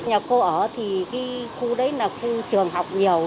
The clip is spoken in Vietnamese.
nhà cô ở thì cái khu đấy là khu trường học nhiều